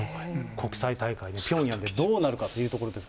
国際大会、ピョンヤンでどうなるかということです。